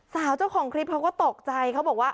สาวเจ้าของคลิปเขาก็ตกใจเขาบอกว่า